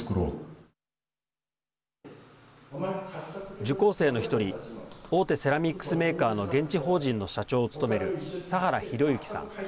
受講生の１人大手セラミックスメーカーの現地法人の社長を務める佐原大之さん。